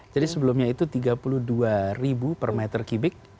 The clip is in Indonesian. jadi sebelumnya itu tiga puluh dua ribu per meter kubik